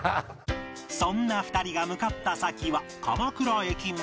そんな２人が向かった先は鎌倉駅前